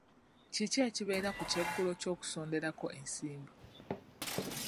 Kiki ekibeera ku kyeggulo ky'okusonderako ensimbi?